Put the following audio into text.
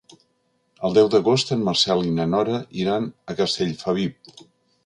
El deu d'agost en Marcel i na Nora iran a Castellfabib.